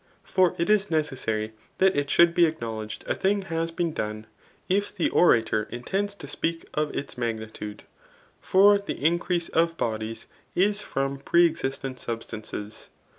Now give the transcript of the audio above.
For it is necessary that it should be acknowledged a thing has been donei if the orator intends to speak of its magnitude ; for the increase of bodies, is from pre existent substances.